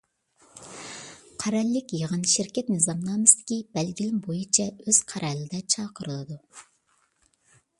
قەرەللىك يىغىن شىركەت نىزامنامىسىدىكى بەلگىلىمە بويىچە ئۆز قەرەلىدە چاقىرىلىدۇ.